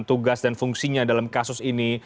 tugas dan fungsinya dalam kasus ini